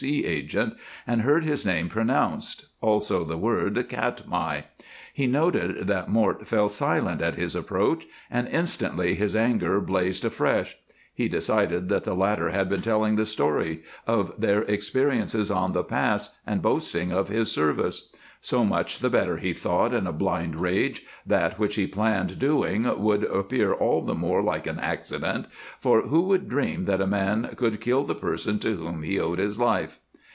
C. agent, and heard his name pronounced, also the word "Katmai." He noted that Mort fell silent at his approach, and instantly his anger blazed afresh. He decided that the latter had been telling the story of their experience on the pass and boasting of his service. So much the better, he thought, in a blind rage; that which he planned doing would appear all the more like an accident, for who would dream that a man could kill the person to whom he owed his life?